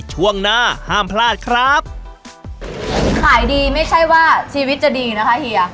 ช่วงหน้าห้ามพลาดครับขายดีไม่ใช่ว่าชีวิตจะดีนะคะเฮีย